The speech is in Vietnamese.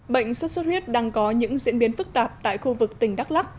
bệnh sốt xuất huyết đang có những diễn biến phức tạp tại khu vực tỉnh đắk lắc